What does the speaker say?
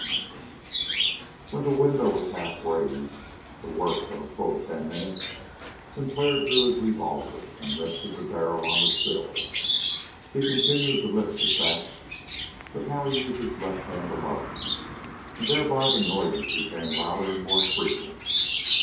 23 When the window was half raised the work of a full ten minutes Sinclair drew his revolver and rested the barrel on the sill. He continued to lift the sash, but now he used his left hand alone, and thereby the noises became louder and more frequent.